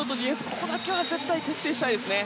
ここだけは絶対に徹底したいですね。